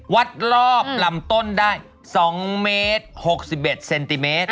วัดรอบลำต้นได้๒เมตร๖๑เซนติเมตร